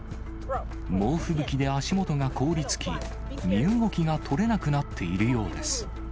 猛吹雪で足元が凍りつき、身動きがとれなくなっているようです。